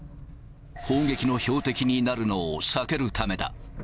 砲撃の標的になるのを避けるためだ。